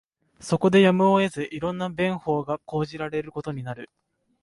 そこでやむを得ず、色んな便法が講じられることになる